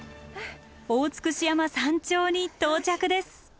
大尽山山頂に到着です！